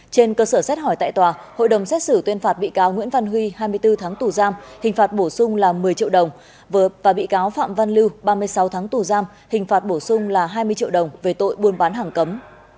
trên cơ sở xét hỏi tại tòa hội đồng xét xử tuyên phạt bị cáo nguyễn văn huy hai mươi bốn tháng tù giam hình phạt bổ sung là một mươi triệu đồng và bị cáo phạm văn lưu ba mươi sáu tháng tù giam hình phạt bổ sung là hai mươi triệu đồng về tội buôn bán hàng cấm